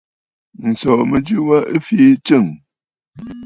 Ǹsòò mɨjɨ wa ɨ fii tsɨ̂ŋ.